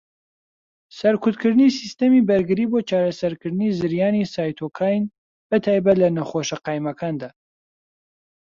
سەرکوتکردنی سیستەمی بەرگری بۆ چارەسەرکردنی زریانی سایتۆکاین، بەتایبەت لە نەخۆشه قایمەکاندا.